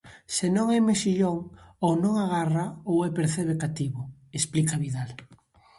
"Se non hai mexillón, ou non agarra ou é percebe cativo", explica Vidal.